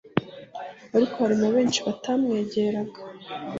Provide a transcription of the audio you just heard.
ariko hari na benshi batamwegeraga,